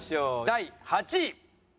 第８位。